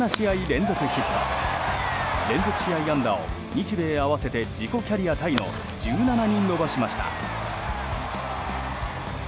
連続試合安打を日米合わせて自己キャリアタイの１７に伸ばしました。